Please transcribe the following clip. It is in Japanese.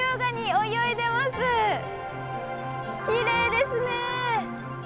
きれいですね。